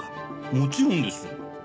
もちろんです。